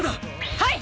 はい！